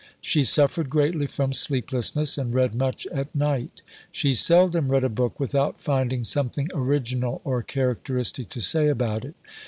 She suffered greatly from sleeplessness and read much at night. She seldom read a book without finding something original or characteristic to say about it.